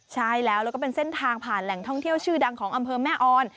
ใช่แล้วแล้วก็เป็นเส้นทางผ่านแหล่งท่องเที่ยวชื่อดังของอำเภอแม่ออน